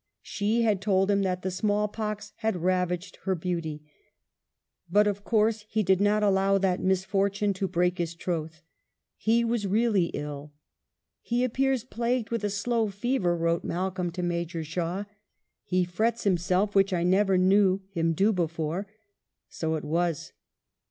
She had told him that the small pox had ravaged her beauty, but, of course, he did not allow that misfortune to break his troth. He was really ill. " He appears plagued with a slow fever," wrote Malcolm to Major Shawe :" He frets himself, which I never knew him do before." So it was.